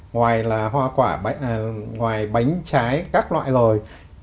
ngoài là hoa quả ngoài bánh trái các loại rồi